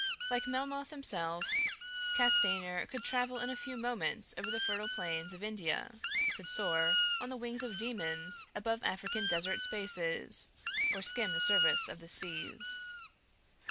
Like Melmoth himself, Castanier could travel in a few moments over the fertile plains of India, could soar on the wings of demons above African desert spaces, or skim the surface of the seas.